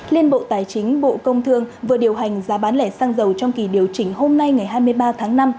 liên bộ tài chính bộ công thương vừa điều hành giá bán lẻ xăng dầu trong kỳ điều chỉnh hôm nay ngày hai mươi ba tháng năm